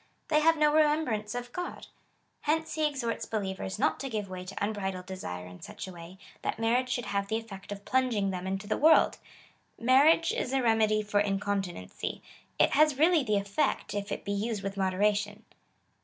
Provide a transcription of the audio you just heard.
They have no remembrance of God. Hence he exhorts believers not to give way to unbridled desire in such a way, that mar riage should have the effect of plunging them into the world. Marriage is a remedy for incontinency. It has really the effect, if it be used with moderation.